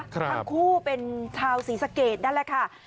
ทั้งคู่เป็นชาวศรีสะเกดนั่นแหละค่ะ